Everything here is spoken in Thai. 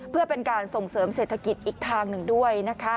เพื่อเป็นการส่งเสริมเศรษฐกิจอีกทางหนึ่งด้วยนะคะ